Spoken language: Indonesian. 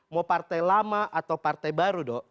mau partai lama atau partai baru dok